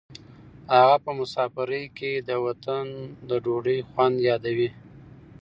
هغه په مسافرۍ کې د وطن د ډوډۍ خوند یادوي.